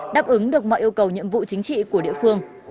đáp ứng được mọi yêu cầu nhiệm vụ chính trị của địa phương